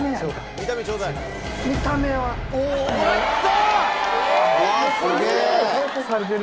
見た目は。もらった！